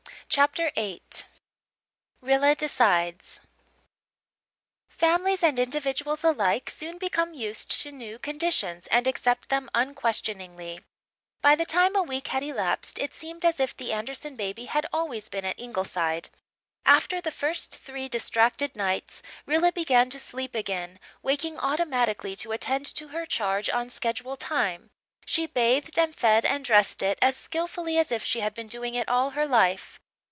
CHAPTER VIII RILLA DECIDES Families and individuals alike soon become used to new conditions and accept them unquestioningly. By the time a week had elapsed it seemed as it the Anderson baby had always been at Ingleside. After the first three distracted nights Rilla began to sleep again, waking automatically to attend to her charge on schedule time. She bathed and fed and dressed it as skilfully as if she had been doing it all her life.